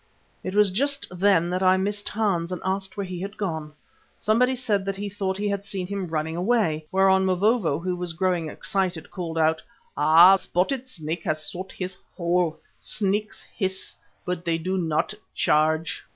It was just then that I missed Hans and asked where he had gone. Somebody said that he thought he had seen him running away, whereon Mavovo, who was growing excited, called out: "Ah! Spotted Snake has sought his hole. Snakes hiss, but they do not charge."